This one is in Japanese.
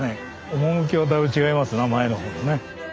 趣がだいぶ違いますな前の方のね。